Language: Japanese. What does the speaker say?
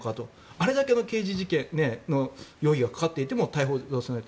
あれだけの刑事事件の容疑がかかっていても逮捕状が出ない。